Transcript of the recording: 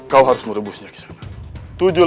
kau harus merebusnya kisah